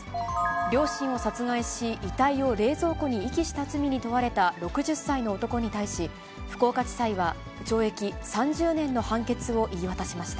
両親を殺害し、遺体を冷蔵庫に遺棄した罪に問われた６０歳の男に対し、福岡地裁は懲役３０年の判決を言い渡しました。